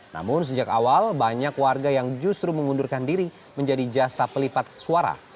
namun sejak awal banyak warga yang justru mengundurkan diri menjadi jasa pelipat suara